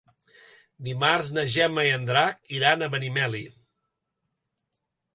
Dimarts na Gemma i en Drac iran a Benimeli.